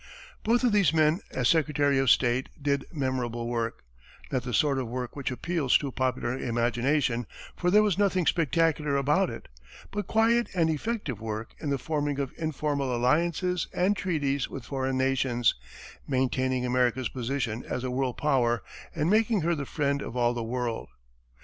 Both of these men, as secretary of state, did memorable work; not the sort of work which appeals to popular imagination, for there was nothing spectacular about it; but quiet and effective work in the forming of informal alliances and treaties with foreign nations, maintaining America's position as a world power, and making her the friend of all the world.